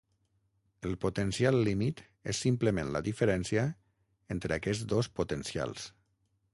El potencial límit és simplement la diferència entre aquests dos potencials.